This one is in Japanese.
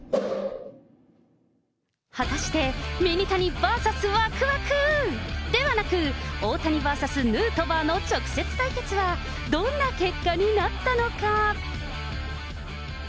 果たしてミニタニＶＳわくわく、ではなく、大谷ＶＳヌートバーの直接対決は、どんな結果になったのか。